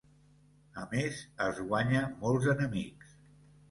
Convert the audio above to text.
A més, es guanya molts enemics.